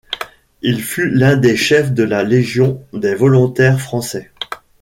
Il fut l'un des chefs de la Légion des volontaires français.